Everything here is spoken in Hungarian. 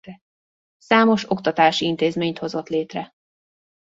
Számos oktatási intézményt hozott létre.